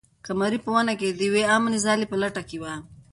قمري په ونې کې د یوې امنې ځالۍ په لټه کې وه.